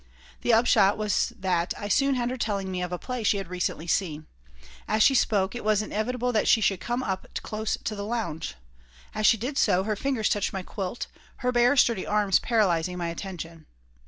The upshot was that I soon had her telling me of a play she had recently seen. As she spoke, it was inevitable that she should come up close to the lounge. As she did so, her fingers touched my quilt, her bare, sturdy arms paralyzing my attention.